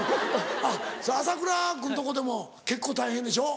あっ朝倉君とこでも結構大変でしょ？